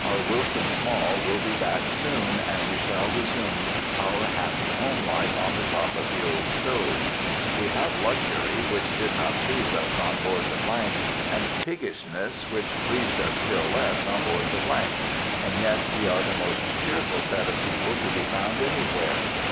our Wilson Small will be back soon, and we shall resume our happy home life on the top of the old stove. We had luxury which did not please us on board the ——, and piggishness which pleased us still less on board the ——, and yet we are the most cheerful set of people to be found anywhere.